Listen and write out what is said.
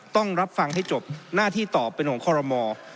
ต้องรับฟังให้จบหน้าที่ตอบเป็นของคอรมอ